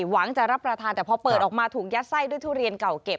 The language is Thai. หวังจะรับประทานแต่พอเปิดออกมาถูกยัดไส้ด้วยทุเรียนเก่าเก็บ